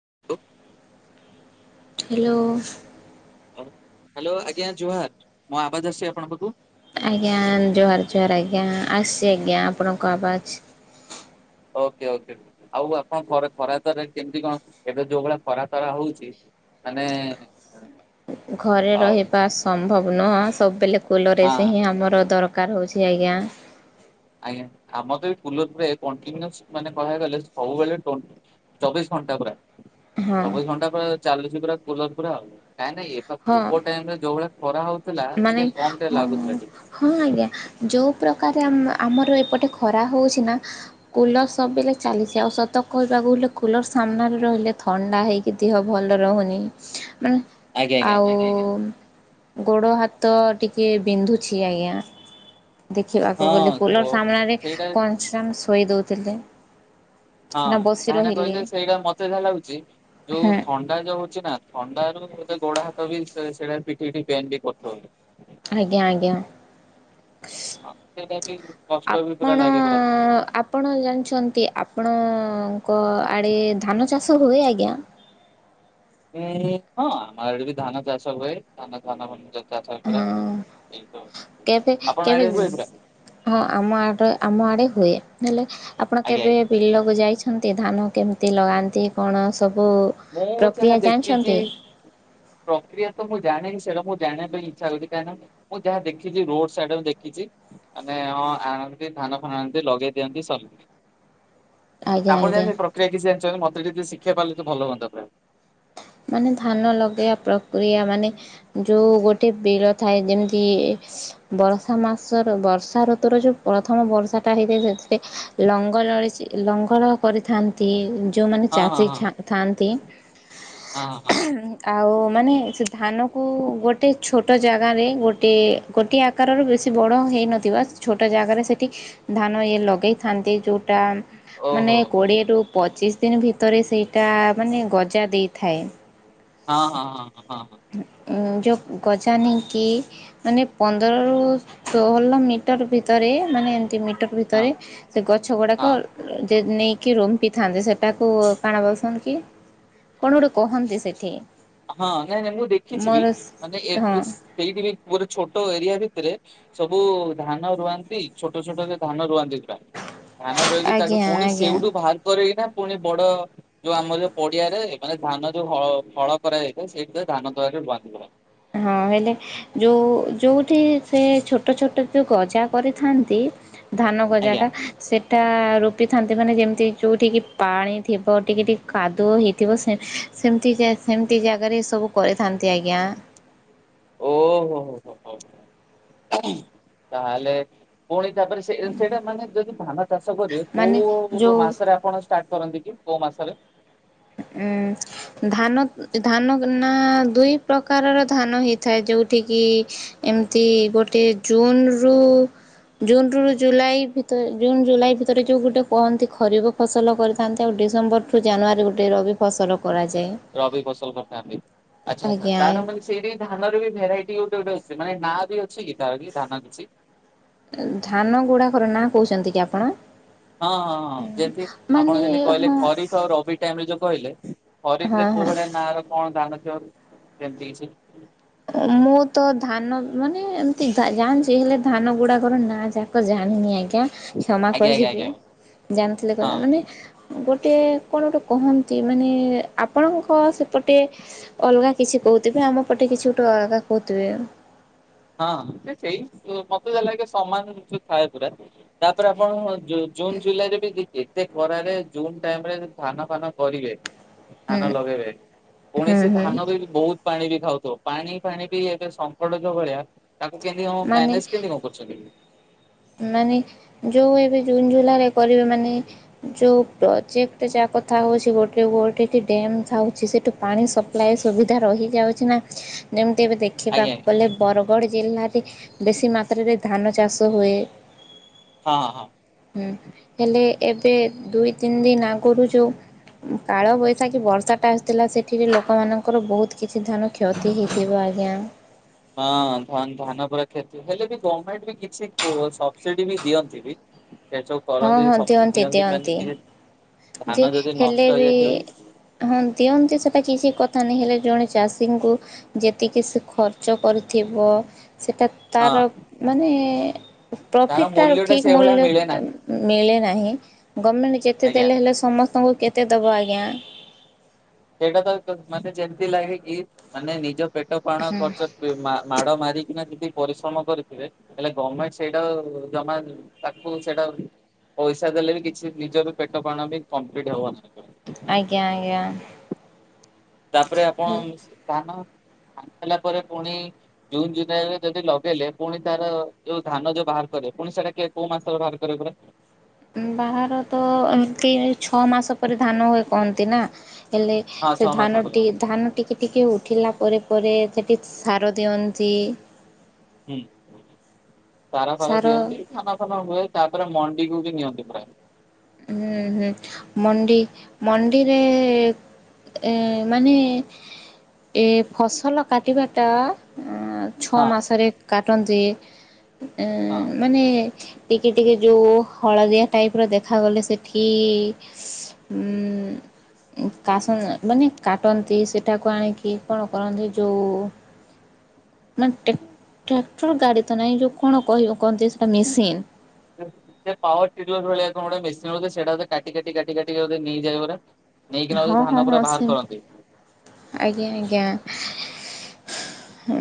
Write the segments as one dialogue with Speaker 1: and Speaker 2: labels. Speaker 1: [inaudible]
Speaker 2: Hello
Speaker 1: hello ଆଜ୍ଞା ଜୁହାର ମୁଁ ଆବାଜ ଆସିଛି ଆପଣ ପାଖକୁ।
Speaker 2: ଆସଛି ଆଜ୍ଞା ଆପଣଙ୍କ ଆବାଜ।
Speaker 1: ଓକେ ଓକେ ଆଉ ଆପଣ ଖରା ତରେ କେମତି କଣ ଏବେ ଯୋଉ ଭଳିଆ ଖରା ତରା ହଉଛି ମାନେ
Speaker 2: ଘରେ
Speaker 1: ଆଉ
Speaker 2: ରହିବା ସମ୍ଭବ ନୁହଁ। ସବବେଲେ ସ୍କୁଲରେ
Speaker 1: ହଁ
Speaker 2: ସେ ହିଁ ଆମର ଦର ଦରକାର ହେଉଛି ଆଜ୍ଞା।
Speaker 1: ଆଜ୍ଞା ଆମ ତ ଏ ଫୁଲରେ କନଟିନିଓସ ମାନେ କହକୁ ଗଲେ ସବୁବେଳେ ଚବିଶ ଘଣ୍ଟା ପୁରା
Speaker 2: ହଁ
Speaker 1: ଚବିଶ ଘଣ୍ଟା ପରେ ଚାଲୁଛି ପୁରା କୋଲାର ପୁରା ଆଉ। କାଁକ ନା ଏବୋ
Speaker 2: ହଁ
Speaker 1: ପୁର୍ବ ଟାଇମ ରେ ଯୋଉ ଭଳି ଖରା ହଉ
Speaker 2: ମାନେ ହଁ ହଁ ହଁ ଆଜ୍ଞା ଯୋଉ ସୁ ପ୍ରକ ଆମର ଏପଟେ ଖରା ହଉଛି ନା କୁଲର ସବୁବେଳେ ଚାଲିଛି ଆଉ ସତ କହିବାକୁ ଗଲେ କୁଲର ସାମ୍ନାରେ ରହିଲେ ଥଣ୍ଡା ହେଇକି ଦେହ ଭଲ ରହୁନି। ମାନେ
Speaker 1: ଆଜ୍ଞା ଆଜ୍ଞା
Speaker 2: ଆଉ ଗୋଡ଼ ହାତ ଟିକେ ବିନ୍ଧୁଛି ଆଜ୍ଞା। ଦେଖିବାକୁ ଗଲେ କୋଲର
Speaker 1: ହଁ
Speaker 2: ସାମ୍ନାରେ
Speaker 1: ସେଇଟା
Speaker 2: କଂଞ୍ଚନ ଶୋଇ ଦଉଛି। ଥିଲେ।
Speaker 1: ହଁ ସେ କାହିଁକିନା କହିଲେ ସେଇଟା ମତେ ଯାହା ଲାଗୁଛି ଯୋଉ
Speaker 2: ହୁଁ
Speaker 1: ଥଣ୍ଡା ଯୋଉ ହଉଛି ନା ଥଣ୍ଡାରୁ ବୋଧେ ଗୋଡ ହାତ ବି ସେ ସେଟା ପିଠି ମିଠି ବେଣ୍ଡ କରିଦୋଉଚି।
Speaker 2: ଆଜ୍ଞା ଆଜ୍ଞା।
Speaker 1: ହଁ ସେଇଟା ବି କଷ୍ଟ ବି ପୁରା
Speaker 2: ଆପଣ
Speaker 1: ଲାଗେ ପୁରା।
Speaker 2: ଆପଣ ଜାଣିଛନ୍ତି ଆପଣ। ଆଙ୍କ ଆଡେ ଧାନ ଚାଷ ହୁଏ ଆଜ୍ଞା।
Speaker 1: ଉଁ ହଁ ଆମର ବି ଧାନ ଚାଷ ହୁଏ ଧାନ ଧାନ ଚାଷ ପୁରା।
Speaker 2: ହଁ
Speaker 1: ଏଇ ସବୁ
Speaker 2: କେବେ
Speaker 1: ଆପଣ
Speaker 2: କେବେ
Speaker 1: ଆଡେ ହୁଏ ପୁରା
Speaker 2: ହଁ ଆମ ଆଡେ ଆମ ଆଡେ ହୁଏ। ନହେଲେ। ଆପଣ
Speaker 1: ଆଜ୍ଞା
Speaker 2: କେବେ
Speaker 1: ଆଜ୍ଞା
Speaker 2: ବିଲକୁ ଯାଇଛନ୍ତି। ଅଛନ୍ତି ଧାନ କେମିତି ଲଗାନ୍ତି କଣ? ସବୁ
Speaker 1: ମୁଁ ଯାହା
Speaker 2: ପ୍ରକ୍ରିୟା
Speaker 1: ଦେଖିଛି
Speaker 2: ଜାଣିଛନ୍ତି
Speaker 1: ପ୍ରକ୍ରିୟା ତ ମୁଁ ଜାଣିନି। ସେଇଟା ମୁଁ ଜାଣିବା ପାଇଁ ଇଚ୍ଛା ହଉଛି କାହିଁକି ନା ମୁଁ ଯାହା ଦେଖିଛି ରୋଡ ସାଇଡ ଦେଖିଛି ମାନେ ଆଣନ୍ତି ଧାନ ଫାନ ଆଣନ୍ତି ଲଗେଇ ଦିଅନ୍ତି ସରେ।
Speaker 2: ଆଜ୍ଞା
Speaker 1: ଆପଣ
Speaker 2: ଆଜ୍ଞା
Speaker 1: ଜାଣିଚନ୍ତି ପ୍ରକ୍ରିୟା କିଛି ଜଣିଛନ୍ତି ମତେ ଟିକେ ଶିଖୁ ଶିଖେଇ ପାରିଲେ ତ ଭଲ ହୁଅନ୍ତା। ତା ପରେ।
Speaker 2: ମାନେ ଧାନ ଲଗେଇବା ପ୍ରକ୍ରିୟା ମାନେ ଯୋଉ ଗୋଟେ ବିଳ ଥାଏ ଯେମିତି ବର୍ଷା ମାସର ବର୍ଷା ଋତୁୁର ଯୋଉ ପ୍ରଥମ ବର୍ଷା ଟା ହେଇଥାଏ ସେଥିରେ ଲଙ୍ଗ ଲ ଲଙ୍ଗଳ କରିଥାନ୍ତି। ଯେଉଁମାନେ
Speaker 1: ହଁ ହଁ
Speaker 2: ଚାଷୀ
Speaker 1: ହଁ
Speaker 2: ଥାଆନ୍ତି।
Speaker 1: ହଁ ହ।
Speaker 2: ଆଉ ମାନେ ସେ ଧାନକୁ ଗୋଟେ ଛୋଟ ଜାଗାରେ ଗୋଟିଏ ଗୋଟିଏ ଆକାରରୁ ବେଶୀ ବଡ଼ ହେଇନଥିବ ସେ ଛୋଟ ଜାଗାରେ ସେଇଠି ଧାନ ଇଏ ଲଗାଇଥାନ୍ତି ଯେଉଁଟା ମାନେ
Speaker 1: ଓହୋ
Speaker 2: କୋଡିଏ ରୁ ପଚିଶ ପଚିଶ ଦିନ ଭିତରେ ସେଇଟା ମାନେ ଗଜା ଦେଇ। ଥାଏ।
Speaker 1: ହଁ ହଁ ହଁ ହ ହଁ ହଁ।
Speaker 2: ଯେଉଁ ଗଜା ନେଇକି ମାନେ ପନ୍ଦରରୁ ଷୋହଲ ମିଟର ଭିତରେ ମାନେ ଏମିତି ମି
Speaker 1: ହଁ
Speaker 2: ଭିତରେ ସେ ଗଛ
Speaker 1: ହଁ
Speaker 2: ଗୁଡ଼ାକ ନେଇ କି ରୁମ ପିଥାନ୍ତି ସେଟାକୁ କଣା ବସନ୍ କି? କଣ ଗୋଟେ କହନ୍ତି ସେଇଠି?
Speaker 1: ହଁ ନାଇଁ ନାଇଁ ମୁଁ ଦେଖିଛିିବି ମାନେ
Speaker 2: ହଁ
Speaker 1: ସେଇଠି ବି ଗୋଟେ ଛୋଟ ଏରିଆ ଭିତରେ ସବୁ ଧାନ ରୁଆନ୍ତି ଛୋଟ ଛୋଟରେ ଧାନ ରୁହନ୍ତି। ଧାନ ରୋଇକି ତାକୁ
Speaker 2: ଆଜ୍ଞା
Speaker 1: ପୁଣି
Speaker 2: ଆଜ୍ଞା
Speaker 1: ସେଇଠୁ ବାହାର କରିକିନା ପୁଣି ବଡ଼ ଯୋଉ ଆମର ଯୋଉ ପଡିଆରେ ମାନେ ଧାନ ଯୋଉ ହ ଫଳ କରାଯାଇଥାଏ ସେଠି ଧାନ ଦ୍ୱାରରେ ବନ୍ଦ କରା
Speaker 2: ହଁ ହେଲେ ଯୋଉ ଯୋଉଠି ସେ ଛୋଟ ଛୋଟ ଯୋଉ ଗଜା କରିଥାନ୍ତି। ଧାନ ଗଜା
Speaker 1: ଆଜ୍ଞା
Speaker 2: ଟା ସେଇଟା ରୋପିଥାନ୍ତି ମାନେ ଯେମିତି ଯୋଉଠିକେ ପାଣି ଥିବ ଟିକେ ଟିକେ କାଦୁଅ ହେଇଥିବ। ସେ ସେମିତି ସେମିତି ଜାଗାରେ ସବୁ କରିଥାନ୍ତି ଆଜ୍ଞା।
Speaker 1: ଓହୋ ହୋ ହୋ ହୋୋ ତାହେଲେ ପୁଣି। ତାପରେ ସେ ସେଇଟା ମାନେ ଯଦି ଧାନ ଚାଷ କଲେ।
Speaker 2: ମାନେ
Speaker 1: କୋଉ
Speaker 2: ଯୋଉ
Speaker 1: ମାସରେ ଆପଣ ଷ୍ଟାର୍ଟ କରନ୍ତି କି କୋଉ ମାସରେ।
Speaker 2: ଉଁ ଧାନ ଧାନ ନା ଦୁଇ ପ୍ରକାରର ଧାନ ହେଇଥାଏ। ଯୋଉଠିକି ଏମିତି ଗୋଟେ ଜୁନୁରୁ ଜୁନ୍ରୁରୁ ଜୁଲାଇ ଭିତରେ ଜୁନ ଜୁଲାଇ ଭିତରେ ଯୋଉ ଗୋଟେ କହନ୍ତି ଖରିଫ୍ ଫସଲ କରିଥାନ୍ତି। ଆଉ ଡିସେମ୍ବରରୁୁ ଜାନୁଆରୀ ଗୋ ର ବି ଫସଲ।
Speaker 1: ରବି ଫସଲ କରିଥାନ୍ତି ଆଚ୍ଛା ଆଛା
Speaker 2: ଆଜ୍ଞା
Speaker 1: ତାର ମାନେ ସେଇଠି ଧାନରେ ବି ଭେରାଇଟି ଗୋଟେ ଗୋଟେ ଅ ସେ ମାନେ ନାଁ ବି ଅଛି କିତାର କି ଧାନ କିଛି।
Speaker 2: ଧା ଧାନ ଗୁଡାକର ନାଁ କହୁଛନ୍ତି କି ଆପଣ।
Speaker 1: ହଁ ହଁ ହଁ ଯେମିତି ଆପଣ
Speaker 2: ମାନେ
Speaker 1: ଯେମିତି କହିଲେ।
Speaker 2: ହଁ
Speaker 1: ଖରିଫ ଆଉ ରବି ଟାଇମ ରେ ଯୋଉ କହିଲେ ଖରିଫ
Speaker 2: ହଁ
Speaker 1: ରେ କୋଉ
Speaker 2: ହଁ।
Speaker 1: ଭଳିଆ ନାଁ ର କଣ ଧାନ ଥିବ। ସେମିତି କିଛି।
Speaker 2: ମୁଁ ତ ଧାନ ମାନେ ଏମତି ଜାଣିଛି। ହେଲେ ଧାନ ଗୁଡ଼ାକର ନାଁ ଯାକ ଜାଣିନି ଆଜ୍ଞା। କ୍ଷମା
Speaker 1: ଆଜ୍ଞା ଆଜ୍ଞା
Speaker 2: କରିବେ
Speaker 1: ଆଜ୍ଞା।
Speaker 2: ଜାଣଥିଲେ କ ମାନେ।
Speaker 1: ହଁ
Speaker 2: ଗୋଟେ କଣ ଗୋଟେ କହନ୍ତି। ମାନେ ଆପଣଙ୍କ ସେପଟେ ଅଲଗା କିଛି କହୁଥିବେ। ଆମ ପଟେ କିଛି ଟ ଆଳଗା କଥୁବେ।
Speaker 1: ହଁ ସେଇ ମତେଲାଗେ ସମାନ ଥାଏ। ପୁରା ତାପରେ ଆପଣ ଜୁନ ଜୁଲାଇ ରେ ବି ଏତେ ଖରାରେ ଜୁନ ଟାଇମ ରେ ଧାନ ଫାନ କରିବେ।
Speaker 2: ହୁଁ
Speaker 1: ଧାନ ଲଗେଇବେ ପୁଣି
Speaker 2: ହୁଁ
Speaker 1: ସେ
Speaker 2: ହୁଁ
Speaker 1: ଧାନ ବି ବହୁତ ପାଣି ବି ଖାଉ ତ ପାଣି ଫାଣି ବି ଏବେ ସଙ୍କଟ ଯଭଳିଆ। ତାକୁ କେମିତି ହ
Speaker 2: ମାନେ
Speaker 1: ମ୍ୟାନେଜ୍ କେମିତି କଁ କରୁଛନ୍ତି।
Speaker 2: ମାନେ ଯୋଉ ଏବେ ଜୁନ୍ ଜୁ ଲାଇ କରିବେ ମାନେ ଯୋଉ ପ୍ର ଚେକ୍ଟ ଯାକଥାଉଛି ଗୋଟେ ଗୋଟେ ଡ୍ୟାମ୍ ଥାଉଛି। ସେଇଠୁ ପାଣି ସପ୍ଲାଏ ସୁବିଧା ରହିଯାଉଛି। ନା ଯେମିତି ତେବେ
Speaker 1: ଆଜ୍ଞା
Speaker 2: ଦେଖିବାକୁ। ଗଲେ ବରଗଡ଼ ଜିଲ୍ଲାରେ ବେଶୀ ମାତ୍ରାରେ ଧାନ ଚାଷ ହୁଏ।
Speaker 1: ହଁ ହଁ।
Speaker 2: ହୁଁ ହେଲେ ଏବେ ଦୁଇ ତିନି ଦିନ ଆଗରୁ ଯେଉଁ କାଳବୈଶାଖୀ ବର୍ଷାଟା ଆସିଥିଲା। ସେଠରେ ଲୋକମାନଙ୍କର ବହୁତ କିଛି ଧାନ କ୍ଷତି ହେଇଥିବ ଆଜ୍ଞା।
Speaker 1: ହଁ ଧ ଧାନ ପରା କ୍ଷତି ହେଲେ ବି ଗଭର୍ଣମେଣ୍ଟ ବି କିଛି ଉ ସବସିଡି ବି ଦିଅନ୍ତି ବି। ସେସବୁ କରନ୍ତି ସ ଦିଅନ୍ତି ମାନ କି ଧାନ
Speaker 2: ଯେ
Speaker 1: ଯଦି
Speaker 2: ହେଲେ
Speaker 1: ନଷ୍ଟ
Speaker 2: ବି
Speaker 1: ହେଇଯାଇଥିବ
Speaker 2: ହଁ ଦିଅନ୍ତି ସେଟା କିଛି କଥା ନାହିଁ। ହେଲେ ଜଣେ ଚାଷୀଙ୍କୁ ଯେତିକି ସେ ଖର୍ଚ୍ଚ କରିଥିବ। ସେଇଟା
Speaker 1: ହଁ
Speaker 2: ତର ମାନେ
Speaker 1: ତାର
Speaker 2: ପ୍ରଫିଟ୍ଟା
Speaker 1: ମୂଲ୍ୟ ଟା
Speaker 2: ଠିକ୍ ମୂଲ୍ୟ
Speaker 1: ସେଇଭଳିଆ
Speaker 2: ମି
Speaker 1: ମିଳେ ନାହିଁ
Speaker 2: ମିଳେ ନାହିଁ। ଳେ ଗମେଣ୍ଟ୍ ଯେତେ
Speaker 1: ଆଜ୍ଞା।
Speaker 2: ଲେ ହେଲେ ସମସ୍ତଙ୍କୁ କେ ତେ ଦବ ଆଞା।
Speaker 1: ସେଇଟା ତ ମତେ ଯେମିତି ଲାଗେ କି ମାନେ ନିଜ ପେଟ ପାାଣ ଖର୍ଚ୍ଚ ଉ ମା ମାଡ଼ ମାରିକି। ନା ଯଦି ପରିଶ୍ରମ କରିଥିବେ ହେଲେ ଗଭର୍ଣ୍ଣମେଣ୍ଟ ସେଇଟା ଜମା ତାକୁ ସେଇଟା ପଇସା ଦେଲେ ବି କିଛି ନିଜ ବି ପେଟ ପାଣ ବି କମ୍ପ୍ଲିଟ ହେବ ନାହିଁ।
Speaker 2: ଆଜ୍ଞା ଆଜ୍ଞା
Speaker 1: ତାପରେ ଆପଣ ଧାନ ଧାନ ହେଲା ପରେ ପୁଣି ଜୁନ ଜୁଲାଇ ରେ ଯଦି ଲଗେଇଲେ ପୁଣି ତାର ଯୋଉ ଧାନ ଯୋଉ ବାହାର କରେ ପୁଣି ସେଟା କିଏ କୋଉ ମାସରେ ବାହାର କରିବ ପରା
Speaker 2: ବାହାର ତ ଏମିତି ଛଅ ମାସ ପରେ ଧାନ ହୁଏ କହନ୍ତି ନା ହେଲେ
Speaker 1: ହଁ
Speaker 2: ସେ
Speaker 1: ଛଅ ମାସ
Speaker 2: ଧାନ
Speaker 1: ପରେ
Speaker 2: ଟିକେ ଧାନ ଟିକେ ଟିକେ ଉଠିଲା ପରେ ପରେ ସେଠି ସାର ଦିଅନ୍ତି
Speaker 1: ହୁଁ ସାର ଫାର
Speaker 2: ସାର
Speaker 1: ଦିଅନ୍ତି ଧାନ ଫାନ ହୁଏ ତାପରେ ମଣ୍ଡିକୁ ବି ନିଅନ୍ତି। ହଉ।
Speaker 2: ହୁଁ ହୁଁ ମଣ୍ଡି ମଣ୍ଡିରେ ଏ ମାନେ ଏ ଫସଲ କାଟିବାଟା ଛଅ
Speaker 1: ହଁ
Speaker 2: ମାସରେ କା କାଟନ୍ତି। ଅ
Speaker 1: ହଁ।
Speaker 2: ମାନେ ଟିକେ ଟିକେ ଯୋଉ ହଳଦିଆ ଟାଇପ ର ଦେଖା ଦେଖାଗଲେ ସେଠି ଉ କାସ ମାନେ କାଟନ୍ତି ସେଟାକୁ ଆଣିକି କଣ କରନ୍ତି ଯୋଉ ମାନେ ଟ୍ରାକ୍ଟର ଗାଡ଼ି ତ ନାହିଁ ଯୋଉ କଣ କହିବ କହନ୍ତି ସେଟା ମେସିନ୍
Speaker 1: ପାୱାର ଟେଲର ଭଳିଆ କଣ ଗୋଟେ ମେସିନ୍ ସେଇଟା ଗୋଟେ କାଟି କାଟି କାଟି କାଟି ନେଇଯାଏ ପୁରା ନେଇକିନା ବୋଧେ
Speaker 2: ହଁ ହଁ
Speaker 1: ଧାନ ପୁରା
Speaker 2: ହଁ ସେ
Speaker 1: ବାହାର କରନ୍ତି
Speaker 2: ଆଜ୍ଞା ଆଜ୍ଞା।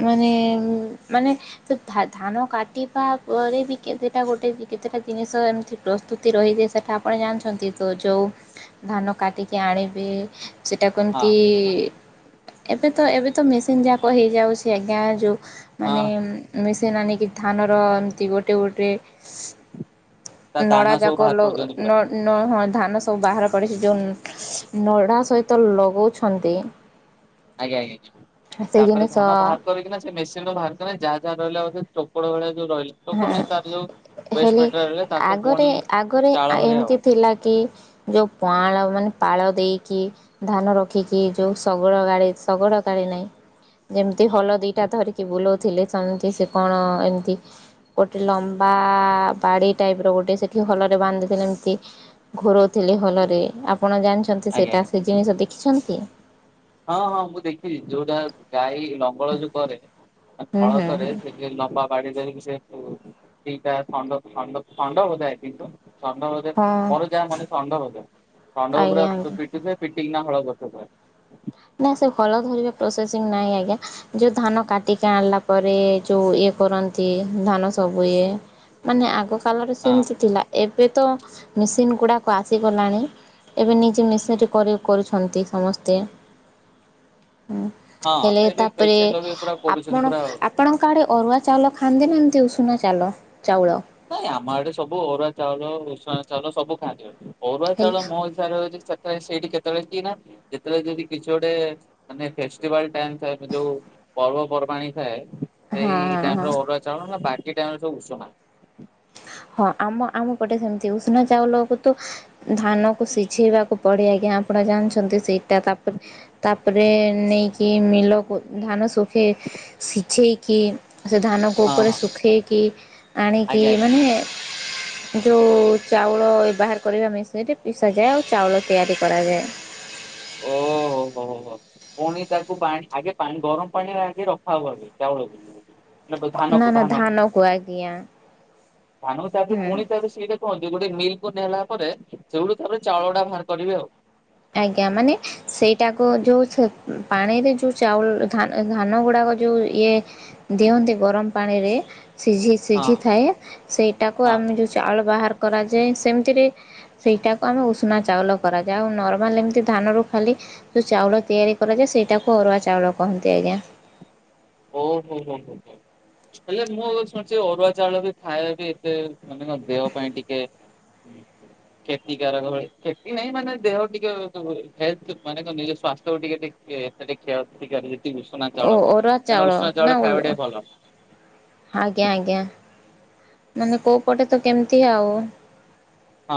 Speaker 2: ମାନେ ମାନେ ଧାନ କାଟିବା ପରେ ବି କେତେଟା ଗୋଟେ କେତେଟା ଜିନିଷ ଏମିତି ପ୍ରସ୍ତୁତି ରହିଛି ସେଟା ଆପଣ ଜାଣିଛନ୍ତି ତ ଯୋଉ ଧାନ କାଟିକି ଆଣିବେ ସେଇଟା
Speaker 1: ହଁ
Speaker 2: କେମିତି ଏବେ ତ ଏବେ ତ ମେସିନ୍ ଯାକ ହେଇଯାଉଛି ଛି ଆଜ୍ଞା ଯୋଉ
Speaker 1: ହଁ
Speaker 2: ମାନେ ମେସିନ୍ ସେ ନାନ କି ଧାନର ଏମତି ଗୋଟେ ଗୋଟେ
Speaker 1: ତା
Speaker 2: ନଡ଼ା
Speaker 1: ଦାନା ସବୁ
Speaker 2: ଯାକ
Speaker 1: ବାହାର
Speaker 2: ଲ
Speaker 1: କରିଦିଅନ୍ତି
Speaker 2: ନ
Speaker 1: ପୁରା।
Speaker 2: ନ ନ ହଁ ଧାନ ସବୁ ବାହାର କରିକି ଯୋଉ ନଡ଼ା ସହିତ ଲଗଉଛନ୍ତି
Speaker 1: ଆଜ୍ଞା ଆଜ୍ଞା
Speaker 2: ସେ
Speaker 1: ତାପରେ
Speaker 2: ଜିନିଷ
Speaker 1: ଧାନ ବାହାର କରିକିିନା ସେ ମେସିନ୍ ରୁ ବାହାର କରି ଯାହା ଯାହା ରହିଲା ବୋଧେ ଉପର ବେଳା
Speaker 2: ହଁ ହେଲେ
Speaker 1: ମେଟେରିଆଲ ରହିଲା ତାକୁ
Speaker 2: ଆଗରେ
Speaker 1: ପୁଣି
Speaker 2: ଆଗରେ
Speaker 1: ଚାଳ ଭଳିଆ ଆଉ
Speaker 2: ଏମିତି ଥିଲା କି ଯୋଉ ପାଆଁଳ ମାନେ ପାଳ ଦେଇକି ଧାନ ରଖିକି ଯୋଉ ଶଗଡ଼ ଗାଡ଼ିରେ ଶଗଡ଼ ଗାଡ଼ି ନାଇଁ ଯେମିତି ଯେମିତି ହଲ ଦିଟା ଧରିକି ବୁଲଉ ଥିଲେ ଯେମିତି ସେ କଣ ଏମିତି ଗୋଟେ ଲମ୍ବା ବାଡ଼ି ଟାଇପ ର ଗୋଟେ ସେଠି ହଲ ରେ ବାନ୍ଧିଥିଲେ ଏମତି ଘୋରଉଥିଲି ହଲରେ ଆ ଆପଣ ଜାଣିଛନ୍ତି
Speaker 1: ଆଜ୍ଞା
Speaker 2: ସେଇଟା
Speaker 1: ଆଜ୍ଞା।
Speaker 2: ସେ ଜିନିଷ ଦେଖିଛନ୍ତି?
Speaker 1: ହଁ ହଁ ମୁଁ ଦେଖିଛି ଯୋଉଟା ଗାଈ ଲଙ୍ଗଳ ଯୋଉ କରେ
Speaker 2: ହୁଁ ହୁଁ
Speaker 1: ହଳକରେ
Speaker 2: ହୁଁ
Speaker 1: ସେ ଯୋଉ ଲମ୍ବା ବାଡ଼ି ଧରିକି ସେଇଠୁ ସେଇଟା ଥଣ୍ଡ ଥଣ୍ଡ ଥଣ୍ଡ ବୋଧେ ଷଣ୍ଢ ବୋଧେ
Speaker 2: ହଁ
Speaker 1: ମୋର ଯାହା ମାନେ ଷଢ ବୋଧେ। ଷଣ୍ଢକୁ ପୁରା
Speaker 2: ଆଜ୍ଞା ଆଜ୍ଞା
Speaker 1: ପିଟିଥିଲେ। ପିତିକିନା। ହଳ ବ [inaudible]
Speaker 2: ନା ସେ ହଳ ଧରିବା ପ୍ରୋସେସିଂ ନାହିଁ ଆଜ୍ଞା ଯୋଉ ଧାନ କାଟିକି ଆଣିଲା ପରେ ଯୋଉ ଇଏ କରନ୍ତି ଧାନ ସବୁ ଇଏ ମାନେ ଆଗ କଲର୍
Speaker 1: ହଁ।
Speaker 2: ସେମିତି ଥିଲା ଏବେ ତ ମେସିନ୍ ଗୁଡ଼ାକ ଆସିଗଲାଣି ଏବେ ନିଜେ ମେସିନ କରି କରୁଛନ୍ତି ସମସ୍ତେ। ହଁ ହେଲେ
Speaker 1: ହଁ ଏବେ
Speaker 2: ତାପରେ
Speaker 1: ପେସେଣ୍ଟ ଲଗେଇ ପୁରା କରୁଛନ୍ତି
Speaker 2: ଆପଣ
Speaker 1: ପୁରା ଆଉ।
Speaker 2: ଆପଣଙ୍କ ଆଡେ ଅରୁଆ ଚାଉଲ ଖାଆନ୍ତି ନା ଏମିତି ଉସ୍ ଶୁ ଚାଲ
Speaker 1: ନାଇଁ ଆମ ଆଡେ ସବୁ ଅରୁଆ ଚାଉଳ ଉସ୍ ନା ଚାଉଲ ସବୁ ଖାଆନ୍ତି। ଅରୁଆ
Speaker 2: ହେଲେ
Speaker 1: ଚାଉଳ ମୋ ହିସବାରେ ହଉଚି ସେ ସେଇଠି କେତେବେଳେ କି ନା ଯେତେବେଳେ ଯଦି କିଛି ଗୋଟେ ମାନେ ଫେଷ୍ଟିଭାଲ ଟାଇମ ଥାଏ ଯୋଉ ପର୍ବପର୍ବାଣି ଥାଏ
Speaker 2: ହଁ
Speaker 1: ସେଇ
Speaker 2: ହଁ।
Speaker 1: ଟାଇମରେ ଅରୁଆ ଚାଉଳ ନା ବା ସେଇଟାଇମେ ସବ ଉସୁନା।
Speaker 2: ହଁ ଆମ ଆମ ପଟେ ସେମିତି ଉଷୁନା ଚାଉଲ କୁ ତ ଧାନ କୁ ସିଝେଇବାକୁ ପଡେ ଆଜ୍ଞା ଆପଣ ଜାଣିଛନ୍ତି ସେଇଟା ତାପରେ ତାପରେ ନେଇକି ମିଲକୁ ଧାନ ଶୁଖେଇ ସିଝେଇକି ସେ ଧାନକୁ
Speaker 1: ହଁ
Speaker 2: ଉପରେ
Speaker 1: ହଁ
Speaker 2: ଶୁଖେଇକି ଆଣିକି
Speaker 1: ଆଜ୍ଞା ଆଜ୍ଞା।
Speaker 2: ମାନେ ଯୋଉ ଚାଉଳ ବାହାର କରିବା ମେସିନରେ ପିସାଯାଏ ଆଉ ଚାଉଳ ତିଆରି କରାଯାଏ।
Speaker 1: ଓହୋ ହୋୋ ପୁଣି ତାକୁ ପାଣି ଆଗେ ପାଣି ଗରମ ପାଣିରେ ଆଗେ ରଖା ହବ ଆଗେ ଚାଉଳକୁ। ଏ
Speaker 2: ନା
Speaker 1: ଧାନକୁ
Speaker 2: ନା
Speaker 1: ଧାନକୁ
Speaker 2: ଆଜ୍ଞା
Speaker 1: ଧାନକୁ ତାପରେ
Speaker 2: ହୁଁ।
Speaker 1: ପୁଣି ତାକୁ ସିରେ କୁହନ୍ତି ଗୋଟେ ମିଲ କୁ ନେଲା ପରେ ସେଗୁଠୁ ତାପରେ ଚାଉଳ ଟା ବାହାର କରିବେ ଆଉ।
Speaker 2: ଆଜ୍ଞା ମାନେ ସେଇଟାକୁ ଯୋଉ ପାଣିରେ ଯୋଉ ଚାଉଳ ଧାନ ଧାନ ଗୁଡ଼ାକ ଯୋଉ ଇଏ ଦିଅନ୍ତି ଗରମ ପାଣିରେ ସିଝି ସିଝି
Speaker 1: ଆଉ
Speaker 2: ଥାଏ ସେଇଟାକୁ
Speaker 1: ହଁ
Speaker 2: ଆମେ ଯୋଉ ଚାଉଳ ବାହାର କରାଯା ଯେ ସେମିତିରେ ସେଇଟାକୁ ଆମେ ଉଷୁନା ଚାଉଳ କରାଯାଏ ଆଉ ନ ମାନେ ଏମିତି ଧାନ ର ଖାଲି ଯୋଉ ଚାଉଳ ତିଆରି କରାଯାଏ ସେଇଟାକୁ ଅରୁଆ ଚାଉଳ କହନ୍ତି ଆଜ୍ଞା
Speaker 1: ଓହୋ ହୋ ହୋ ହୋ ହେଲେ ମୁଁ ଶୁଣିୁଛି ଅରୁଆ ଚାଉଳ ବି ଖାଇବା ବି ଏତେ ମାନେଙ୍କ ଦେହ ପାଇଁ ଟିକେ କ୍ଷତିକାରକ ଭଳି କ୍ଷତି ନାହିଁ ମାନେ ଦେହ ଟିକେ ହେଲଥ ମାନେ ତ ନିଜ ସ୍ୱାସ୍ଥ୍ୟକୁ କ୍ଷତିକରି ଉଷୁନା
Speaker 2: ଓ
Speaker 1: ଚାଳ ପାଇଁ।
Speaker 2: ଅରୁଆ ଚାଉଳ ନା ଉଁ ହଁ ଆଜ୍ଞା ଆଜ୍ଞା। ମାନେ କୋଉ ପଟେ ତ କେମିତି ଆଉ
Speaker 1: ହଁ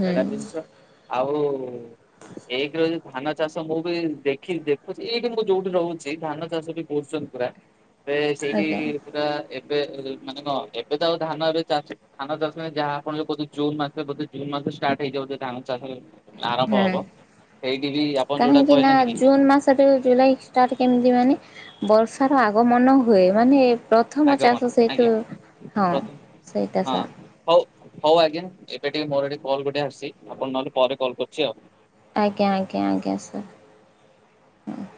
Speaker 2: ହୁଁ
Speaker 1: ଜିନିଷ ଆଉ ଏକରେ ଯଦି‌ ଧାନ ଚାଷ ମୁଁ ବି ଦେଖୁ ଦେଖୁଛି ଏଇଠି ମୁଁ ଯୋଉଠି ରହୁଛି ଧାନ ଚାଷ ବି କରୁସନ ପୁରା। ସେଇଠି
Speaker 2: ଆଜ୍ଞା
Speaker 1: ପୁରା ଏ ଏବେ ମାନେ କଣ ଏବେ ତ ଆଉ ଧାନ ଏବେ ଚାଷ ଧାନ ଚାଷ ପାଇଁ ଯାହା ଆପଣ ଯଉ କହୁଚ ଜୁନ୍ ମାସ ବୋଧେ ଜୁନ୍ ମାସ ଷ୍ଟାର୍ଟ ହେଇଯାଉଚି ଧାନ ଚାଷ। ଆରମ୍ଭ
Speaker 2: ହୁଁ
Speaker 1: ହବ ସେଇଠି ବି
Speaker 2: [inaudible]
Speaker 1: ଆପଣ ଯୋଉଟା
Speaker 2: କାହିଁକି ନା
Speaker 1: କହିଲେନି କି
Speaker 2: ଜୁନ ମାସରୁ ଜୁଲାଇ ଷ୍ଟାର୍ଟ କେମିତି ମାନେ ବର୍ଷାର ଆଗମନ ହୁଏ। ମାନେ ପ୍ରଥମ
Speaker 1: ଆଗମନ
Speaker 2: ଚାଷ ସେଇଠୁ
Speaker 1: ଆଜ୍ଞା
Speaker 2: ହଁ
Speaker 1: ପ୍ରଥମ
Speaker 2: ସେଇଟା
Speaker 1: ହଁ
Speaker 2: ସ
Speaker 1: ହଉ ହଉ ଆଜ୍ଞା ଏବେ ଟିକେ ମୋର ଏଠି କଲ୍ ଗୋଟେ ଆସିଛି ଆପଣ ନହେଲେ ପରେ କଲ୍ କରୁଛି ଆଉ
Speaker 2: ଆଜ୍ଞା ଆଜ୍ଞା ଆଜ୍ଞା ସାର୍ ହଁ